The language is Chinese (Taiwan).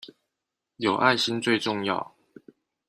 有愛心最重要